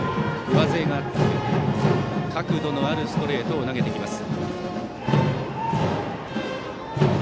上背があって、角度のあるストレートを投げてきます。